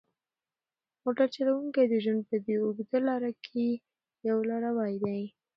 موټر چلونکی د ژوند په دې اوږده لاره کې یو لاروی دی.